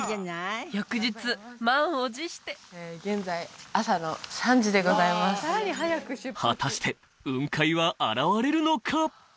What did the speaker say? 翌日満を持して現在果たして雲海は現れるのか！？